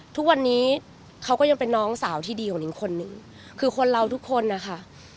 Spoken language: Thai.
ทุกวันนี้เขาก็ยังเป็นน้องสาวที่ดีของนิ้งคนหนึ่งคือคนเราทุกคนนะคะ